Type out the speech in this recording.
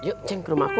yuk cek ke rumahku